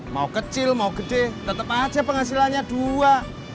mau kecil mau gede tetap aja penghasilannya dua